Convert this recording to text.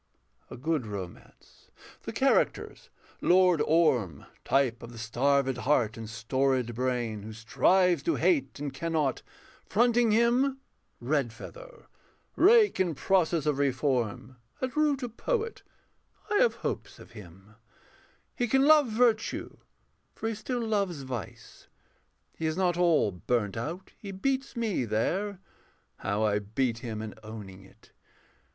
A good romance: the characters Lord Orm. Type of the starvéd heart and storéd brain, Who strives to hate and cannot; fronting him Redfeather, rake in process of reform, At root a poet: I have hopes of him: He can love virtue, for he still loves vice. He is not all burnt out. He beats me there (How I beat him in owning it!)